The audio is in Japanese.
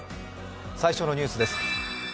最初のニュースです。